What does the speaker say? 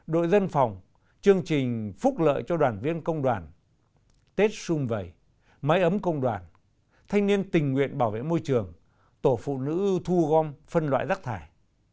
đội dân phòng chương trình phúc lợi cho đoàn viên công đoàn tết xung vầy máy ấm công đoàn thanh niên tình nguyện bảo vệ môi trường tổ phụ nữ thu gom phân loại rác thải